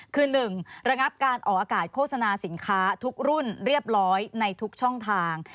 คือ๑ระงับการออกอากาศโฆษณาสินค้าทุกรุ่นเรียบร้อยในทุกช่องทาง